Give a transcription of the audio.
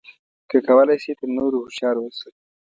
که کولای شې تر نورو هوښیار اوسه.